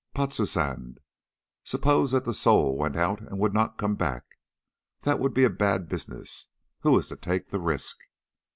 Potztausend! Suppose that the soul went out and would not come back. That would be a bad business. Who is to take the risk?"